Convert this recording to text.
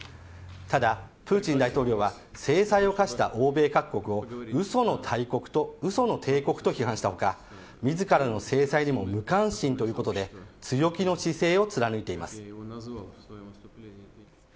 ただプーチン大統領は制裁を科した欧米各国をうその帝国と批判した他自らの制裁にも無関心ということで強気の姿勢を貫いています。